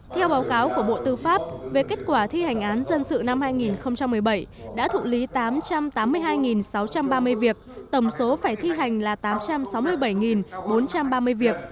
theo báo cáo của bộ tư pháp về kết quả thi hành án dân sự năm hai nghìn một mươi bảy đã thụ lý tám trăm tám mươi hai sáu trăm ba mươi việc tổng số phải thi hành là tám trăm sáu mươi bảy bốn trăm ba mươi việc